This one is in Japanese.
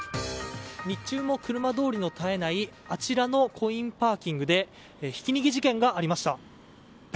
日中も車通りの絶えないあちらのコインパーキングでひき逃げ事件がありました。